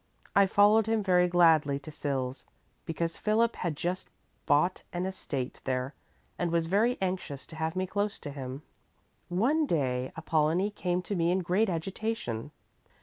I followed him very gladly to Sils, because Philip had just bought an estate there and was very anxious to have me close to him. One day Apollonie came to me in great agitation.